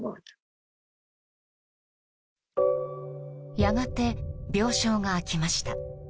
やがて病床が空きました。